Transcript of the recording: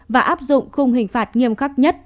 và áp dụng khung hình phạt nghiêm khắc nhất